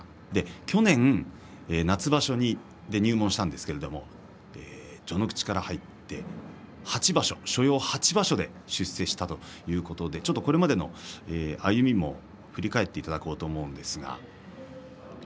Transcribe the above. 去年、夏場所に入門したんですけれど序ノ口から入って所要８場所で出世したということでこれまでの歩みも振り返っていただこうと思います。